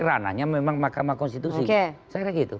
ranahnya memang mahkamah konstitusi